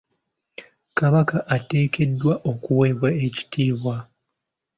Kabaka ateekeddwa okuweebwa ekitiibwa.